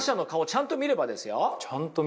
ちゃんと見れば。